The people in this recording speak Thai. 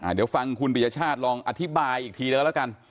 เดี๋ยวฟังคุณปริยชาติลองอธิบายอีกทีแล้วกัน